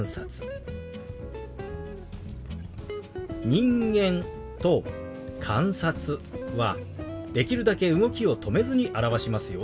「人間」と「観察」はできるだけ動きを止めずに表しますよ。